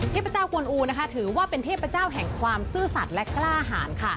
เทพเจ้ากวนอูถือว่าเป็นเทพเจ้าแห่งความซื่อสัตว์และกล้าหาร